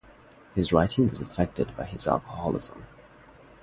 His writing was affected by his alcoholism.